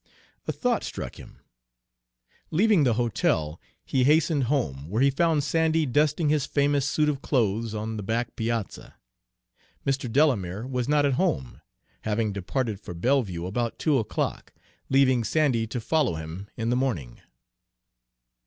A thought struck him. Leaving the hotel, he hastened home, where he found Sandy dusting his famous suit of clothes on the back piazza. Mr. Delamere was not at home, having departed for Belleview about two o'clock, leaving Sandy to follow him in the morning.